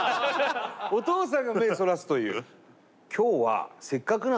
お父さんが目そらすという。